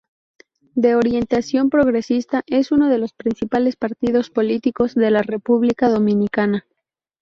De orientación progresista, es uno de los principales partidos políticos de la República Dominicana.